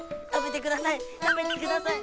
食べてください！